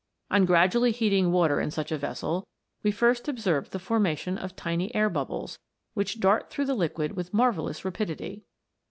On gradually heating water in such a vessel, we first observe the formation of tiny air bubbles, which dart through the liquid with marvellous rapidity.